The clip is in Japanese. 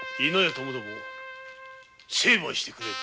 ともども余が成敗してくれる。